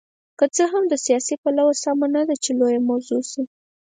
که څه هم له سیاسي پلوه سمه نه ده چې لویه موضوع شي.